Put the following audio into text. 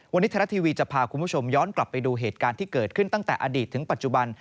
วันนี้ไทยรัฐทีวีจะพาคุณผู้ชมย้อนกลับไปดูเหตุการณ์ที่เกิดขึ้นตั้งแต่อดีตถึงปัจจุบัน